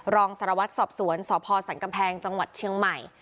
รองสารวัตรสอบสวนสพสันกำแพงจังหวัดเชียงใหม่